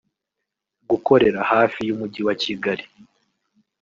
gukorera hafi y’umujyi wa Kigali